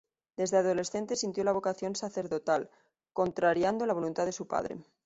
Desde adolescente sintió la vocación sacerdotal, contrariando la voluntad de su padre.